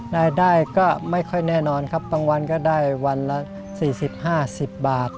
รายได้ก็ไม่ค่อยแน่นอนครับบางวันก็ได้วันละ๔๐๕๐บาท